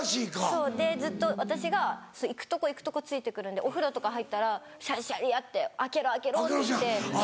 そうでずっと私が行くとこ行くとこついて来るんでお風呂とか入ったらシャリシャリやって開けろ開けろっていって。